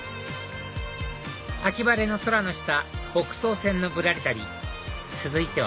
秋晴れの空の下北総線のぶらり旅続いては？